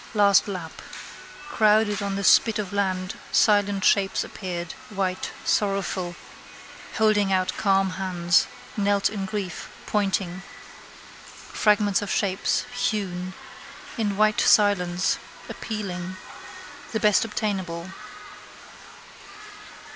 Last lap. Crowded on the spit of land silent shapes appeared, white, sorrowful, holding out calm hands, knelt in grief, pointing. Fragments of shapes, hewn. In white silence: appealing. The best obtainable.